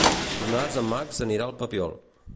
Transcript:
Dimarts en Max anirà al Papiol.